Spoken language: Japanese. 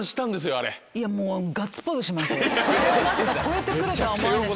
それをまさか超えて来るとは思わない。